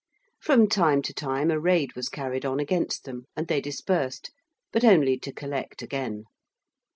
From time to time a raid was carried on against them, and they dispersed, but only to collect again.